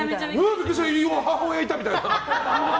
母親いた！みたいな。